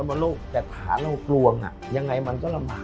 สวัสดีครับ